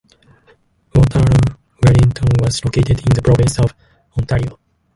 Waterloo-Wellington was located in the province of Ontario.